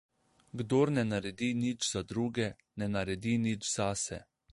Kdor ne naredi nič za druge, ne naredi nič zase.